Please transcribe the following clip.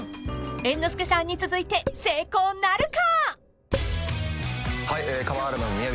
［猿之助さんに続いて成功なるか？］